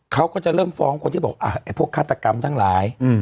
เขาก็จะเริ่มฟ้องคนที่บอกพวกฆาตกรรมทั้งหลาย